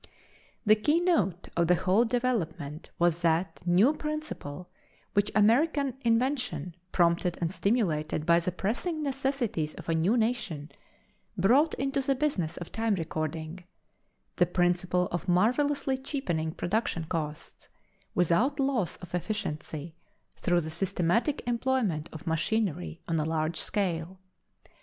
The key note of the whole development was that new principle which American invention, prompted and stimulated by the pressing necessities of a new nation, brought into the business of time recording—the principle of marvelously cheapening production costs without loss of efficiency, through the systematic employment of machinery on a large scale.